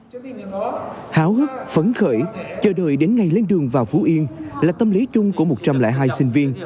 háo hức phấn khởi chờ đợi đến ngày lên đường vào phú yên là tâm lý chung của một trăm linh hai sinh viên